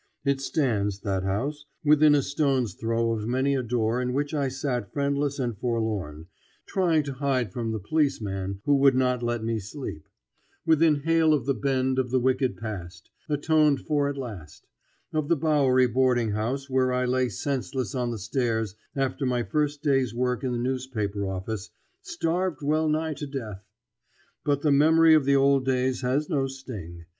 It stands, that house, within a stone's throw of many a door in which I sat friendless and forlorn, trying to hide from the policeman who would not let me sleep; within hail of the Bend of the wicked past, atoned for at last; of the Bowery boarding house where I lay senseless on the stairs after my first day's work in the newspaper office, starved well nigh to death. But the memory of the old days has no sting.